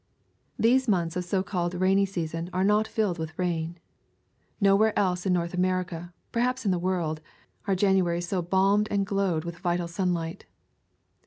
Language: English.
These months of so called rainy season are not filled with rain. Nowhere else in North America, perhaps in the world, are Januarys so balmed and glowed with vital sunlight.